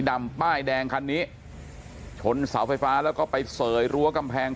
ดำป้ายแดงคันนี้ชนเสาไฟฟ้าแล้วก็ไปเสยรั้วกำแพง